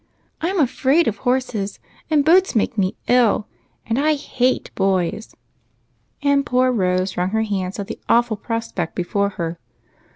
I 'm afraid of horses, and boats make me ill, and I hate boys !" And poor Rose wrung her hands at the awful prospect before her.